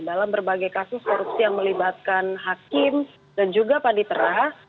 dalam berbagai kasus korupsi yang melibatkan hakim dan juga panitera